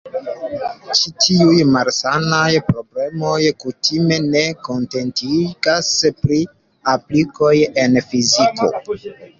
Ĉi tiuj "malsanaj" problemoj kutime ne kontentigas pri aplikoj en fiziko.